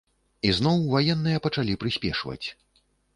І зноў ваенныя пачалі прыспешваць.